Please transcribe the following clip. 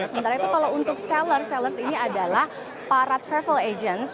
sementara itu kalau untuk seller seller ini adalah para travel agents